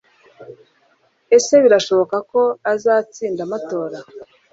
ese birashoboka ko azatsinda amatora